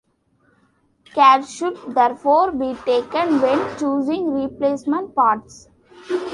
Care should therefore be taken when choosing replacement parts.